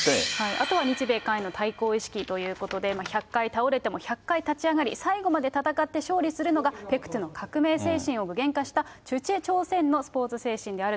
あとは日米韓への対抗意識ということで、１００回倒れても１００回立ち上がり、最後まで戦って勝利するのがペクトゥの革命精神を具現化したチュチェ精神のである。